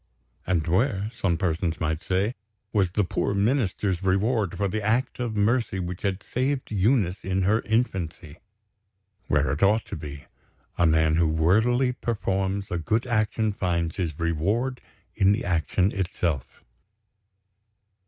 And where (some persons might say) was the poor Minister's reward for the act of mercy which had saved Eunice in her infancy? Where it ought to be! A man who worthily performs a good action finds his reward in the action itself.